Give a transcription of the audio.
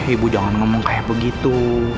ibu jangan ngomong kayak begitu